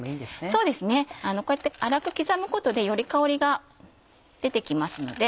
そうですねこうやって粗く刻むことでより香りが出て来ますので。